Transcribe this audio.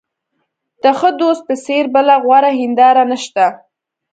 د ښه دوست په څېر بله غوره هنداره نشته.